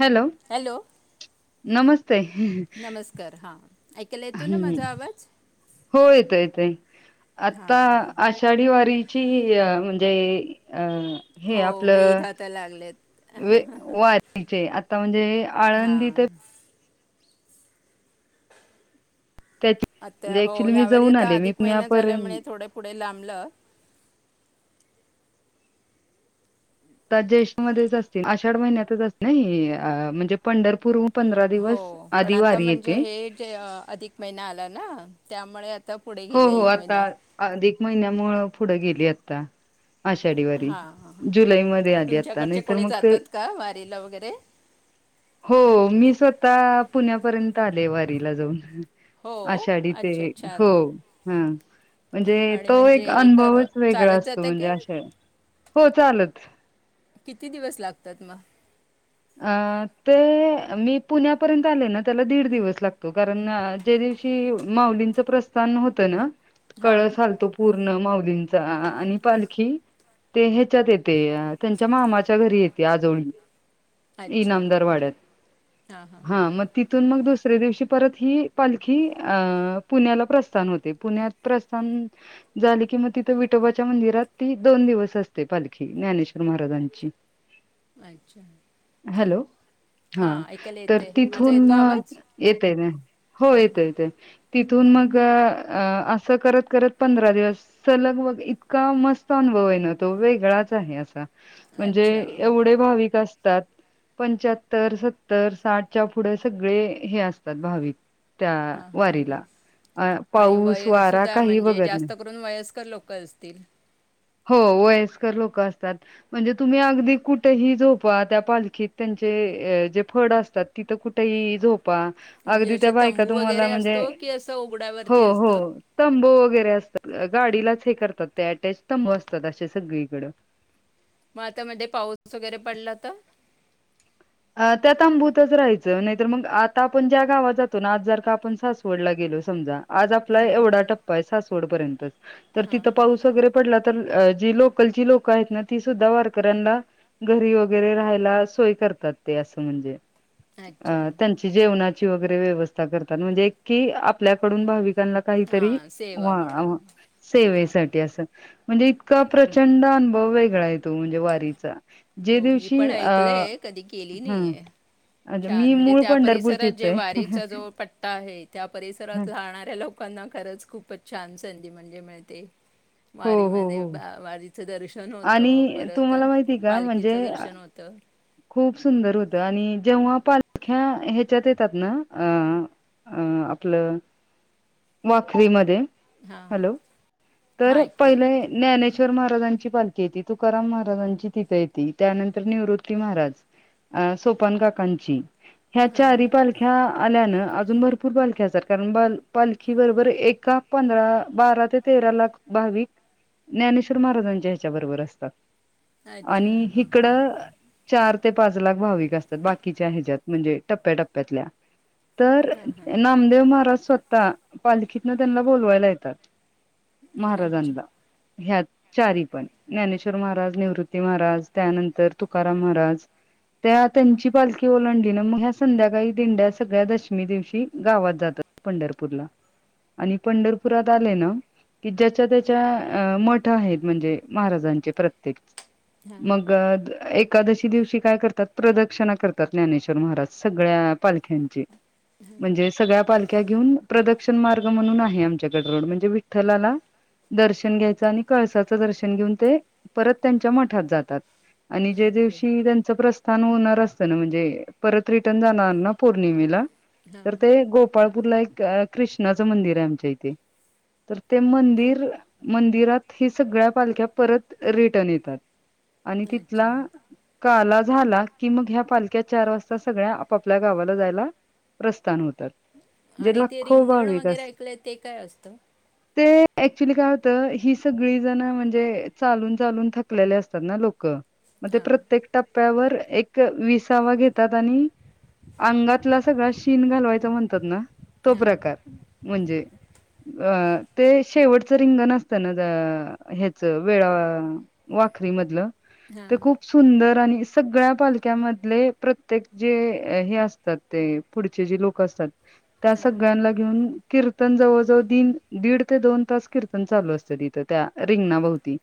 Hello! नमस्ते. त्याला येतोय ना हम्म माझा आवाज? हो येतोय येतोय, आता आषाढी वारी ची अ म्हणजे अ हे हो वेध आपलं आता लागलेत वे वारीचे आता म्हणजे आळंदीत हां ते. त्याची आता म्हणजे हो ऍक्च्युली मी ह्यावेेळी जाऊन आता आले मी अधिक महिना पुण्यापर्यंत झाल्यामुळे थोडे पुढे लांबलं. ज्येष्ठ मध्येच असते आषाढ महिन्यातच असते ना म्हणजे पंढरपूर. हो पण आता म्हणजे हे जे अधिक महिना आला ना त्यामुळे. पुढे हो गेलं हो एक महिना आता अधिक महिन्यामुळं पुढं गेली आता. आषाढी वारी हा ह जुलैमध्ये आली आता तुमच्याकडचे नाहीतर कोणी मग ते जातात का वारीला वगैरे. हो मी स्वतः. पुण्यापर्यंत आले वारीला जाऊन हो आषाढी ते अच्छा हो. छान हम्. म्हणजे आणि तो म्हणजे एक हे कर अनुभवच वेगळा चालत असतो जातं म्हणजे की अशे हो चालत. किती दिवस लागतात मग. अ ते मी पुण्यापर्यंत आले ना त्याला दीड दिवस लागतो कारण. हे माऊलींच्या प्रस्थान होते ना हां कळस हालतोय कि पूण माऊलींचा आणि पालखी. ते ह्याच्यात येते त्यांच्या मामाच्या घरी येते आजोळी अच्छा इनामदार वाड्यात हां हां हा मग तिथून मग तस. [unintelligible] दुसऱे दिवशी परत ही पालखी अ पुण्याला प्रस्थान होते पुण्यात प्रस्थान. झाली कि मग तिथं विटोबाच्या मंदिरात ती दोन दिवस असते पालखी ज्ञानेश्वर महाराजांची. अच्छा. हॅलो हा हां ऐकायला तर येते माझा तिथून येतो आवाज येत आहे ना. हो येतं येते तिथून मग. अ असं करत करत पंधरा दिवस सलग बग इतका मस्त अनुभव आहे ना तो वेगळाच. म्हणजे अच्छा एवढे भाविक. पंच्याहत्तर सत्तर साठच्या पुढे सगळे हे असतात भाविक. त्या हां वरीला. हां आणि वयसुद्धा म्हणजे बघत नाही जास्त करून वयस्कर लोक असतील. हो वयस्कर लोक असतात म्हणजे तुम्ही अगदी कुठेही झोप. त्या पालखीत त्यांचे जे फड असतात तिथ कुठेही झोप. म्हणजे अगदी असे त्या बायका तंबू वगैरे तुम्हाला म्हणजे. असतो की असं उघड्यावरती हो हो असतं तंबू वगैरे असतात. गाडीलाच हे करतात ते अटॅच त असतात असे सगळीकड. मग आता मध्ये पाऊस वगैरे पडला तर. अ त्यात तंबूतच राहायचं नाहीतर मग आता आपण ज्या गावात जातो आज जर का आपण सासवडला गेलो. समजा आज आपला हां एवढा टप्पा सासवड पर्यंत हां तिथ पाऊस वगैरे पडला. तर जी लोकलची लोकं आहेत ना ती सुद्धा वारकऱ्यांना घरी वगैरे राहायला सोय करतात. अस म्हणजे अ अच्छा त्यांची. [unintelligible] व्यवस्था करता म्हणजे आपल्याडून भाविकांची. [unintelligible] काहीतरी हां सेवा म्हणून हां सेवेसाठी अस. म्हणजे इतका प्रचंड अनुभव वेगळा आहे तो म्हणजे वारीचा. जे हो मी पण दिवशी अ ऐकलय कधी केली हं नाहीय. अच्छा छान मी म्हणजे मूळ त्या परिसरात पंढरपूरचीच जे आहे. वारीचा जो पट्टा आहे त्या परिसरात राहणाऱ्या. [unintelligible] लोकांना खरंच खूपच छान संधी म्हणजे मिळते. हो हो हो वारीमध्ये बा वारीचं दर्शन होतं आणि परत अ तुम्हाला माहिती का म्हणजे पालखीचं अ, दर्शन होतं. खूप सुंदर होतं आणि जेव्हा पालख्या ह्याच्यात येतात ना अ अ आपलं वाखरीमध्ये.. हां हॅलो हां तर ऐकते पहिल ज्ञानेश्वर... श्वर महाराजांची पालखी येती तुकाराम महाराजांची तिथे येती त्यानंतर निवृत महाराज सोपन काकांची ह्या चारी हां पालख्या आल्यान... अजून भरपूर पालख्या असतात कारण पालखी बरोबर एका पंधरा बारा ते तेरा लाख.. भाविक ज्ञानेश्वर महाराजांच्या ह्याच्या बरोबर असतात.. अच्छा आणि ओके हिकडं.. चार ते पाच लाख भाविक असतात बाकीच्या ह्याच्यात म्हणजे टप्प्याटप्प्यातल्या.. तर हां हां नामदेव महाराज स्वतः पालखीतन त्यांना बोलवायला येतात... अच्छा महाराजांला ह्या... चारी पण ज्ञानेश्वर महाराज निवृत्ती महाराज त्यानंतर तुकाराम महाराज... त्या त्यांची पालखी ओलांडलीना मग ह्या संध्याकाळी दिंड्या सगळ्या दशमी दिवशी गावात जातात... पंढरपूरला आणि पंढरपुरात आले ना.. कि ज्याच्या त्याच्या अ मठ आहेत म्हणजे महाराजांचे प्रत्येक... हां मग एक.. एकादशी दिवशी काय करतात प्रदक्षिणा करतात ज्ञानेश्वर महाराज सगळ्या पालख्यांचे.. म्हणजे सगळ्या पालख्या.. घेऊन प्रदक्षण मार्ग म्हणून आहे आमच्याकड रोड म्हणजे विठ्ठलाला.. दर्शन घ्यायच आणि कळसाचं दर्शन घेऊन ते परत त्यांच्या मठात जातात आणि.. जे ओके दिवशी त्यांच प्रस्थान होणार असत ना म्हणजे परत रिटर्न जाणार ना पौर्णिमेला.... तर ते हां गोपाळपूरला एक कृष्णाचं मंदिर आहे आमच्या इथे.. तर ते मंदिर मंदिरात ही सगळ्या पालख्या परत रिटर्न येतात.. आणि अच्छा तिथला.. काला झाला की मग ह्या पालख्यात चार वाजता सगळ्या आपपल्या गावाला जायला.. प्रस्थान होतात... जे आणि ते लाखो रिंगण भाविक वगैरे अस ऐकलंय ते काय असत.. ऍक्च्युली काय होतं ही सगळी जण म्हणजे चालून चालून थकलेले असतात ना लोक.. म्हणजे हां प्रत्येक टप्प्यावर.. एक विसावा घेतात आणि अंगातला सगळा शीन घालवायचा म्हणतात ना... तो हां प्रकार म्हणजे... अ ते शेवटचं रिंगण असत ना ह्याच वेळा.. वाखरी मधलं ते हां खुप सुंदर आणि... सगळ्या पालकख्यामधले प्रत्येक जे हे असतात ते पुढचे जे लोक असतात.. त्या हां. सगळ्यांना घेऊन.. कीर्तन जवळजवळ दीन दीड ते दोन तास कीर्तन चालू असतं तिथं त्या रिंगणाभोवती..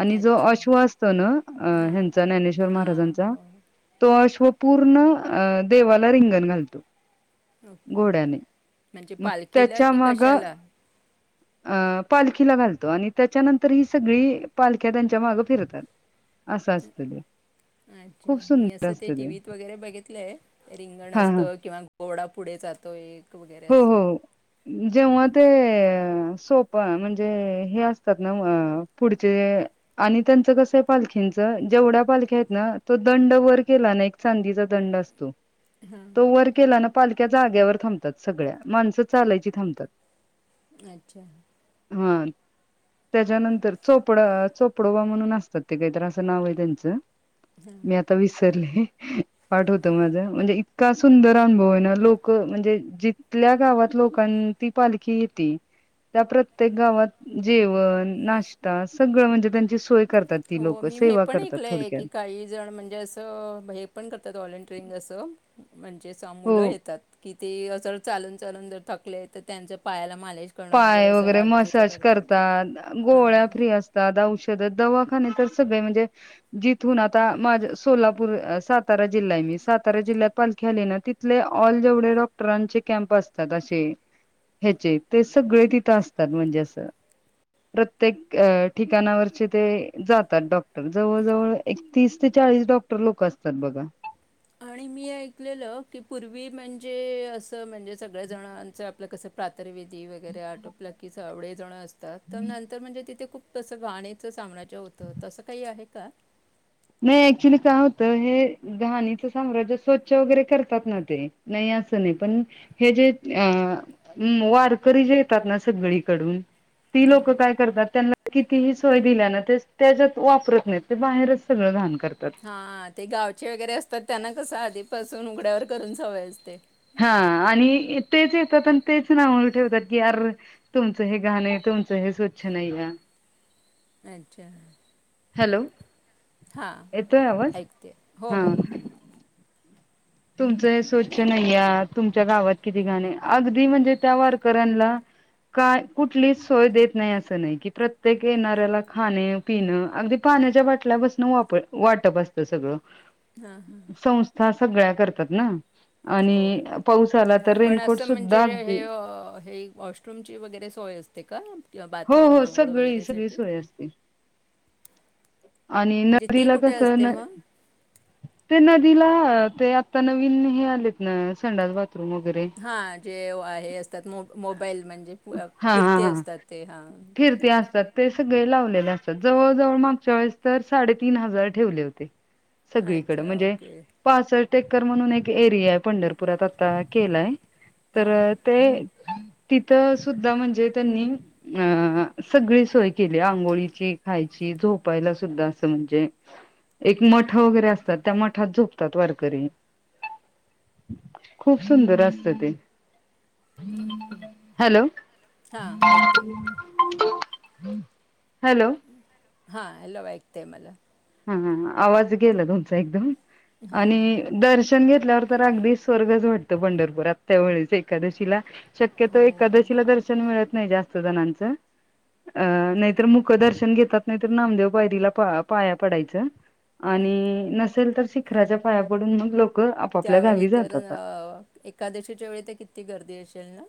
आणि जो अच्छा. अश्व असत ना हां. ह्यांचा ज्ञानेश्वर हां. महाराजांचा हो. तो अश्व.. पूर्ण अ देवाला रिंगण घालतो.. घोड्याने म्हणजे मग पालखीला त्याच्या कि माग कशाला.. अ पालखीला घालतो आणि त्याच्यानंतर ही सगळी पालख्या त्यांच्या मागं फिरतात.. असं असत ग.. अच्छा मी असं ते टीव्हीत वगैरे बघितलंय रिंगण हा असत हा किंवा.. घोडा पुढे जातो एक वगैरे हो असं.. हो जेव्हा ते सोपं म्हणजे हे असतात ना पुढचे.. आणि त्यांच कस आहे पालखींच जेवढ्या पालख्या आहेत ना तो दंड वर केला ना एक चांदीचा.. दंड असतो तो वर केला ना पालख्या जागेवर थांब.. सगळ्या माणसं चालायची थांबतात.. अच्छा.. हा त्याच्यानंतर चोपडा चोपडोबा म्हणून असतात ते काहीतरी असं नाव हाय त्यांचं.. मी आता विस.. पाठ होत माझं म्हणजे इतका सुंदर अनुभव आहे ना लोक म्हणजे जिथल्या गावात लोकां ती पालखी येती. त्या प्रत्येक गावात जेवण नाष्टा सगळं म्हणजे त्यांची सोय करतात ती हो लोक मी हे सेवा पण करतात ऐकलयं की थोडक्यात काही जण म्हणजे असं हे पण करतात व्हॉलेंटिअरिंग असं म्हणजे असं हो मुलं येतात कि ते असं चालून चालून जर थकले तर त्यांच्या पायाला मालिश करणं पाय असं वगैरे रात्रीचं मसाज करतात गोळ्या हां. फ्री असतात औषध दवाखाने तर सगळे म्हणजे जिथून आता माझं सोलापूर सातारा जिल्हा सातारा जिल्ह्यात पालखी आली ना तिथले ऑल जेवढे डॉक्टरांचे कॅम्प असतात असे ह्याचे ते सगळे तिथं असतात म्हणजे असं प्रत्येक ठिकाणावरचे ते जातात डॉक्टर जवळ जवळ एकतीस ते चा चाळीस डॉक्टर लोकं असतात बघा आणि मी ऐकलेलं की पूर्वी म्हणजे असं म्हणजे सगळ्या जणांच कसं प्रातर्वेदी वगैरे आटोपला की सावळेजणं असतात तर नंतर म्हणजे तिथे खूप तसं घाणीचं साम्राज्य होतं तसं काही आहे का? नाही ऍक्च्युली काय होत हे घाणीचं साम्राज्य स्वच्छ वगैरे करतात ना ते नाही असं नाही पण हे जे वारकरी जे येतात ना सगळीकडून ती लोक काय करतात त्यांना कितीही सोय दिल्या ना ते तेज्यात वापरत नाहीत ते बाहेरच सगळं घाण करतात हा ते गावचे वगैरे असतात त्यांना कसं आधीपासून उघड्यावर करून सवय असते हा आणि तेच येतात आणि तेच नाव ठेवतात की अरर तुमचं हे घाण आय तुमचं हे स्वच्छ नाहीया अच्छा. हॅलो. हा येतोय आवाज ऐकते हो हो. हा तुमचं हे स्वच्छ नाही या तुमच्या गावात किती घाण अगदी म्हणजे त्या वारकऱ्यांना काय कुठली सोय देत नाही असं नाही की प्रत्येक येणाऱ्याला खाण पिण अगदी पाण्याच्या बाटल्यापसून वा वाटप असतं सगळं हा हा. संस्था सगळ्या करतात ना आणि पाऊस आला तर पण रेनकोट असं म्हणजे सुद्धा अगदी हे हे वॉशरूमची वगैरे सोय असतें का? किंवा हो बाथरूम, हो अंघोळ सगळी सगळी वगैरेसाठी? सोय असते आणि म्हणजे ते नदीला कुठे कसं असते न मग? ते न तिला ते आता नवीन हे आलेत ना संडास बाथरूम वगैरे हा जे आहे असत्यात मोबाईल म्हणजे हा हा फिरते हा असतात ते हा फिरते असतात ते सगळे लावलेले असतात जवळजवळ मागच्या वेळेस तर साडेतीन हजार ठेवले होते सगळीकडं अच्छा म्हणजे ओके पासट एकर म्हणून एक एरियाय पंढरपुरात आता केलाय हां तर ते तिथं त सुद्धा म्हणजे त्यांनी अ सगळी सोय केली आंघोळीची खायची झो झोपायला सुद्धा असं म्हणजे एक मठ वगैरे असतात त्या मठात झोपतात वारकरी खूप सुंदर असतं ते ओके. हॅलो हां ऐकते ऐकते हॅलो. हा हॅलो ऐकतेय मला हा आवाज गेला तुमचा एकदम हां आणि दर्शन घेत ल्यावर तर अगदी स्वर्गच वाटतं पंढरपूरात त्या वेळेस एकादशीला शक्यतो हो एकादशीला दर्शन मिळत नाही जास्त जण नाहीतर मुक दर्शन घेतात नाही नामदेव पायरीला पा पडायचं आणि नसेल तर शिखराच्या पाया पडून मग ल त्यावेळी तर अ एकादशीच्या वेळी तर किती गर्दी असेल ना.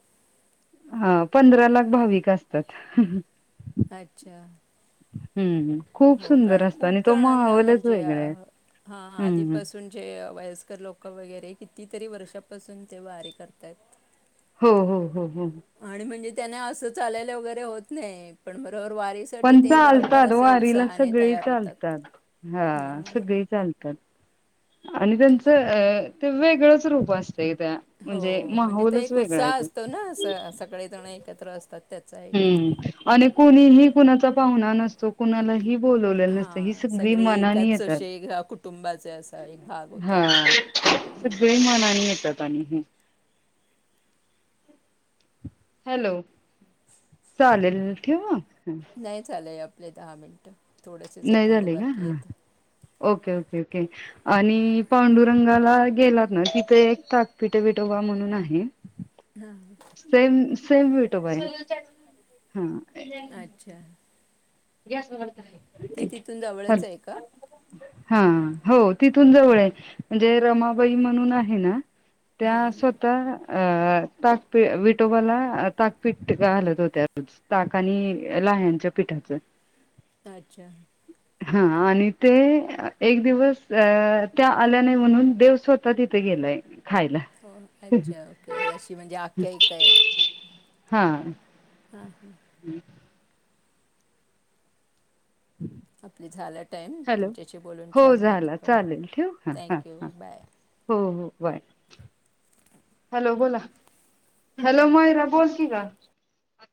हा पंधरा लाख भाविकं असतात. अच्छा. हम्म, खूप हो सुंदर कारण असतं आणि तो माहोलच वेगळाय. हा आधीपासून जे वयस्कर लोकं वगैरे की तीतरी वर्षापासून ते वारीे करतायत. हो हो हो. आणि म्हणजे त्याने असं चालायला वगैरे होत नाही, पण म पण चालतात वारीला उत्साहाने सगळी तयार होतात चालतात, हा हां. सगळी चालतात. आणि त्यांचं अ ते वेगळंच रूप अस हो, म्हणजे ते एक उत्साह आहे तो. असतो ना असं सगळेजण एकत्र असतात. त्याचा एक हम्म, आणि कुणीही कुणाचा पाहुणा नसतो कुणालाही बोलवलेलं नसतं ही हा, सगळी सगळे मनानी एकाचे येतात. अशे अ कुटुंबाचे असा एक भाग होतात. हा सगळे मानाने येतात आणि ही. हॅलो! चालेल ठेऊ म? नाही झालंय आपले दहा मिनटं, थोडेसे नाही सेकंद झाले का बाकी हा आहेत. ओके ओके ओके, आणि पांडुरंगाला गेलात ना तिथे एक ताकपिठे विठोबा म्हणून आहे हा. सेम सेम विठोबा आहे, हा. अच्छा. गॅस [unintelligible] ते तिथून जवळच आहे का? हा, हो तिथून जवळ आहे, म्हणजे रमाबाई म्हणून आहे ना त्या हां स्वतः अ ताकपि विटोबाला अ ताकपीठ घालत होत्या रोज, ताक आणि यांच्या पीठाचं. अच्छा. हा आणि ते एक दिवस अ त्या आल्या नाय म्हणून देव स्वतः तिथे गे लय हो अच्छा ओके, अशी म्हणजे आख्यायिका आहे. हा. हा हा. [inaudible] आपली झाला टाईम, हॅलो तुमच्याशी बोलून हो छान झाला वाटलं, चालेल ठेव हा हा थँक्यू हा बाय. हो हो, बाय. हॅलो! बोला हॅलो मयुरा बोल की गं.